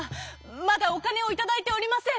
まだおかねをいただいておりません。